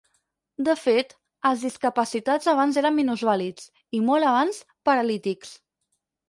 De fet, els discapacitats abans eren minusvàlids, i molt abans, paralítics.